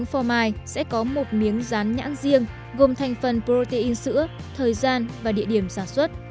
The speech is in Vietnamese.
hà lan có một miếng rán nhãn riêng gồm thành phần protein sữa thời gian và địa điểm sản xuất